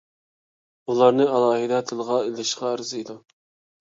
ئۇلارنى ئالاھىدە تىلغا ئېلىشقا ئەرزىيدۇ.